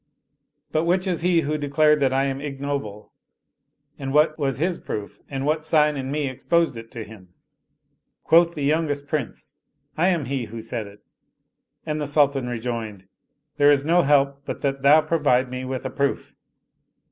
But which is he who de clared that I am ignoble and what was his proof and what sign in me exposed it to him? " Quoth the youngest Prince, " I am he who said it "; and the Sultan rejoined, " There is no help but that thou provide me with a proof."